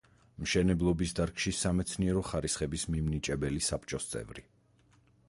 მშენებლობის დარგში სამეცნიერო ხარისხების მიმნიჭებელი საბჭოს წევრი.